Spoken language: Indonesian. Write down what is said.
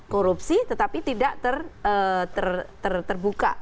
korupsi tetapi tidak terbuka